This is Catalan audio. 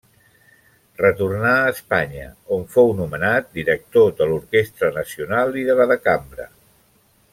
Retornà a Espanya, on fou nomenat director de l'Orquestra Nacional i de la de Cambra.